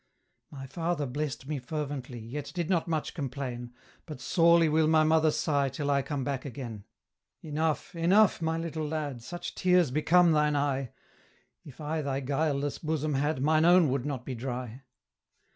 'My father blessed me fervently, Yet did not much complain; But sorely will my mother sigh Till I come back again.' 'Enough, enough, my little lad! Such tears become thine eye; If I thy guileless bosom had, Mine own would not be dry.